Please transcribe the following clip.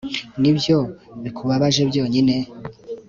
nibyo bikubabaje byonyine!